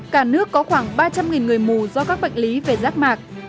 cả nước có khoảng ba trăm linh người mù do các bệnh lý về rác mạc